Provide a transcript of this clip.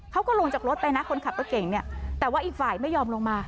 เขาก็ลงจากรถไปนะคนขับรถเก่งเนี่ยแต่ว่าอีกฝ่ายไม่ยอมลงมา